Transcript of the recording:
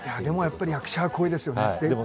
でもやっぱり役者は声ですよね。